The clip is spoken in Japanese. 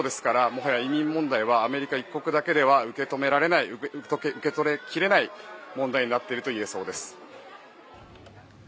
ただ、この規模ですからもはや移民問題はアメリカ一国では受け止め切れない問題になっているといえそうです。